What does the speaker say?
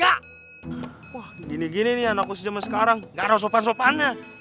wah gini gini nih anakku zaman sekarang gak ada sopan sopannya